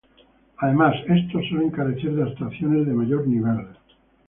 Además estos suelen carecer de abstracciones de mayor nivel.